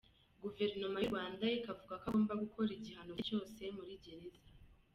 Guverinoma y’u Rwanda ikavuga ko agomba gukora igihano cye cyose muri gereza.